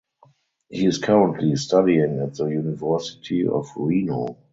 He is currently studying at the University of Reno.